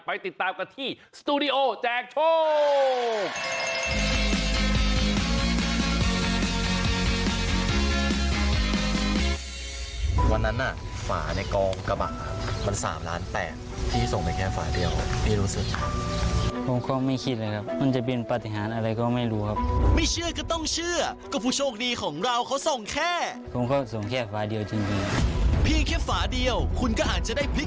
ไปติดตามกันที่สตูดิโอแจกโชค